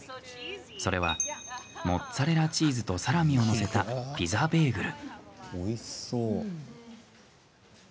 それは、モッツァレラチーズとサラミを載せたピザベーグル。